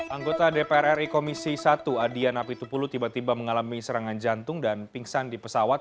anggota dpr ri komisi satu adian apitupulu tiba tiba mengalami serangan jantung dan pingsan di pesawat